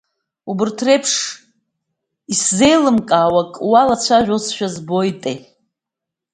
Убарҭ реиԥш, исзеилымкаауа акы уалацәажәошәа збоитеи?